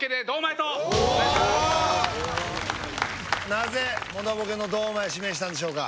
なぜものボケの堂前指名したんでしょうか？